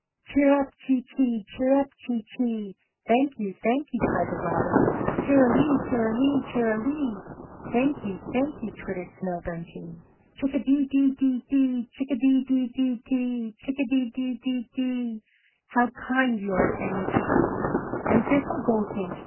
"Cheerup chee chee, cheerup chee chee! thank you, thank you," cried the Robins. "Ter ra lee, ter ra lee, ter ra lee! thank you, thank you!" twittered Snow Bunting. "Chick a dee dee dee dee, chick a dee dee dee dee, chick a dee dee dee dee dee! how kind you are!" sang the Chickadees. And Thistle Goldfinch?